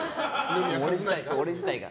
俺自体が。